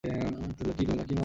কি, তুমি লাকি নও?